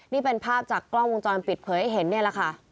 นี่เป็นภาพจากกล้องวงจรปิดเผยให้เห็นนี่แหละค่ะ